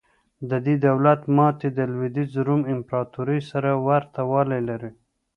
د دې دولت ماتې د لوېدیځ روم امپراتورۍ سره ورته والی لري.